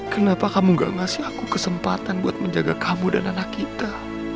kenapa kamu gak ngasih aku kesempatan buat menjaga kamu dan anak kita